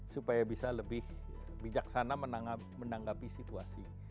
supaya bisa lebih bijaksana menanggapi situasi